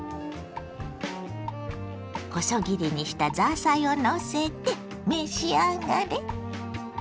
細切りにしたザーサイをのせて召し上がれ。